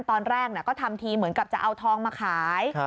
ตอนแรกก็ทำทีเหมือนกับจะเอาทองมาขาย